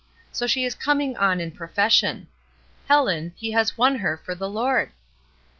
So she is coming in on pro fession. Helen, he has won her for the Lord !"